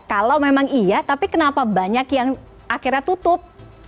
kalau memang iya tapi kenapa banyak yang akhirnya tutup